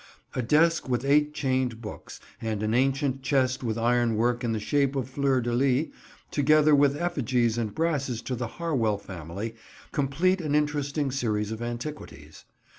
A desk with eight chained books, and an ancient chest with ironwork in the shape of fleurs de lis, together with effigies and brasses to the Harewell family, complete an interesting series of antiquities.